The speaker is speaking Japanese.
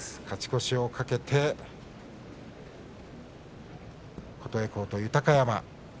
勝ち越しを懸けて琴恵光と豊山。